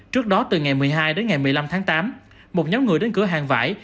trước đó từ ngày một mươi hai đến ngày một mươi năm tháng tám một nhóm người đến cửa hàng vải